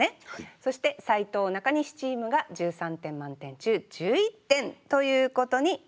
そして斉藤中西チームが１３点満点中１１点ということになりました。